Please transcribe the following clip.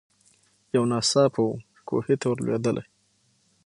یو ناڅاپه وو کوهي ته ور لوېدلې